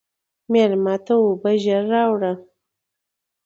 مېلمه ته اوبه ژر راوله.